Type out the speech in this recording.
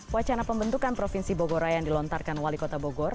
wacana pembentukan provinsi bogoraya yang dilontarkan wali kota bogor